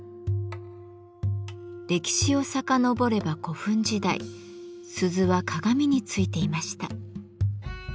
歴史をさかのぼれば古墳時代鈴は鏡についていました。